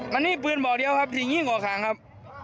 มันนี่ปืนเบาะเดียวครับที่ยิ่งออกขังครับ